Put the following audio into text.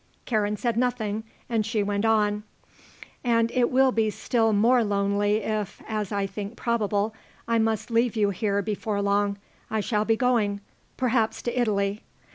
Karen said nothing and she went on, "And it will be still more lonely if, as I think probable, I must leave you here before long. I shall be going; perhaps to Italy."